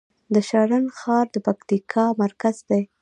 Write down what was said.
د شرن ښار د پکتیکا مرکز دی